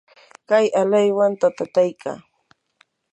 kay alaywan katataykaa.